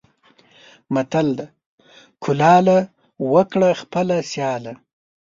متل دی: کلاله! وکړه خپله سیاله.